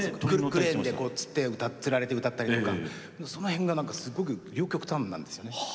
クレーンでこうつられて歌ったりとかその辺がなんかすごく両極端なんですよね。